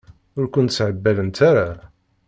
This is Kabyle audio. Ur kun-ssehbalent ara?